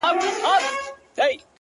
دي ښاد سي د ځواني دي خاوري نه سي ـ